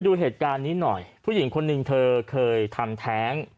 ดูเหตุการณ์นี้หน่อยผู้หญิงคนหนึ่งเธอเคยทำแท้ง